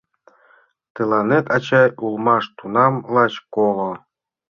Тыланет, ачай, улмаш тунам лач коло.